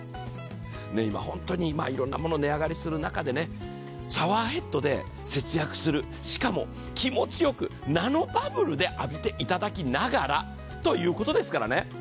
今、本当にいろんなものが値上がりする中でシャワーヘッドで節約するしかも気持ちよく、ナノバブルで浴びていただきながらということですからね。